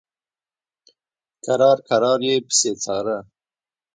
کرار کرار یې پسې څاره.